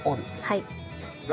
はい。